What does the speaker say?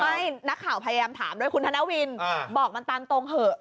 นักข่าวพยายามถามด้วยคุณธนวินบอกมันตามตรงเถอะ